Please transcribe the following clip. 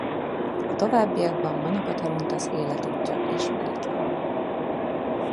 A továbbiakban Manapa-Tarhuntasz életútja ismeretlen.